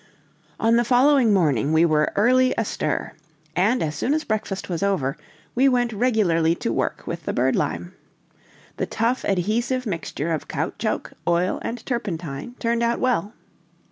On the following morning we were early astir; and as soon as breakfast was over, we went regularly to work with the birdlime. The tough, adhesive mixture of caoutchouc, oil, and turpentine turned out well.